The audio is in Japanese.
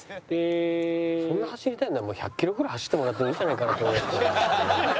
そんな走りたいならもう１００キロぐらい走ってもらってもいいんじゃないかなって思いますけど。